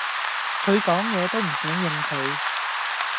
佢講野都唔想應佢